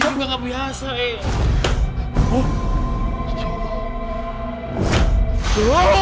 namanya tidak biasa ya